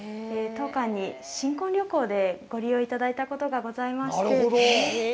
当館に新婚旅行でご利用いただいたことがございまして。